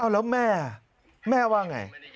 แล้วแม่แม่ว่าไง